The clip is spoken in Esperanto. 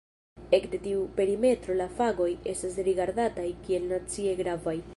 Ekde tiu perimetro la fagoj estas rigardataj kiel "nacie gravaj".